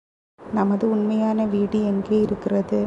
நமது உண்மையான வீடு எங்கே இருக்கிறது?